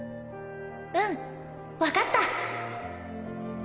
うん分かった